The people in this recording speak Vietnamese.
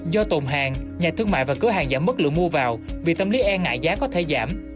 do tồn hàng nhà thương mại và cửa hàng giảm mất lượng mua vào vì tâm lý e ngại giá có thể giảm